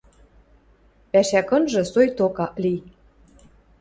— Пӓшӓ кынжы соикток ак ли.